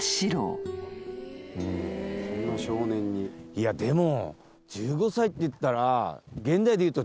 いやでも。